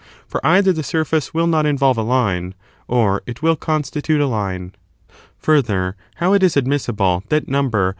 For either the surface will not involve a line, or it will constitute a line. Further, how it is admissible that number 5.